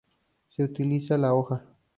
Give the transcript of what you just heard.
Se utiliza la hoja.